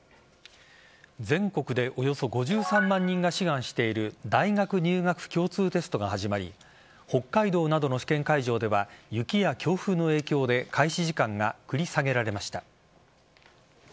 全国でおよそ５３万人が志願している大学入学共通テストが始まり北海道などの試験会場では雪や強風の影響で開始時間が繰り下げられました。